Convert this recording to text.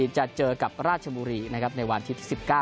จะเจอกับราชมุรีในวันที่๑๙